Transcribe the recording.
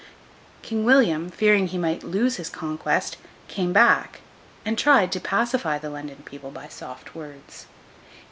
King William, fearing he might lose his conquest, came back, and tried to pacify the London people by soft words.